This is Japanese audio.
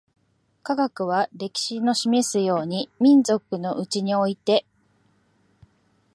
科学は、歴史の示すように、民族のうちにおいて